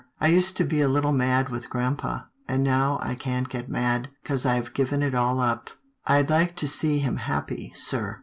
I used to be a little mad with grampa, and now I can't get mad, 'cause I've given it all up. I'd like to see him happy, sir."